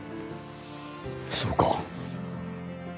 そうか。